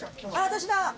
私だ。